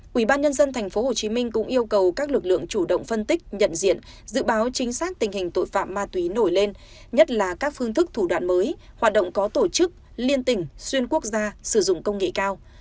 quỹ ban nhân dân tp hcm cũng yêu cầu các lực lượng chủ động phân tích nhận diện dự báo chính xác tình hình tội phạm ma túy nổi lên nhất là các phương thức thủ đoạn mới hoạt động có tổ chức liên tỉnh xuyên quốc gia sử dụng công nghệ cao